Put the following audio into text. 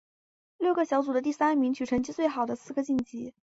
六个小组的第三名取成绩最好的四个晋级。